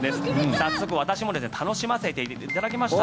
早速、私も楽しませていただきました。